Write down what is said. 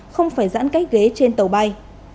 không phải giãn cách ghế trên tàu bay